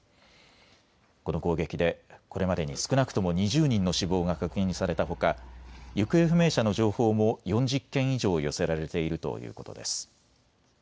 この攻撃でこれまでに少なくとも２０人の死亡が確認されたほか行方不明者の情報も４０件以上寄せられているということです。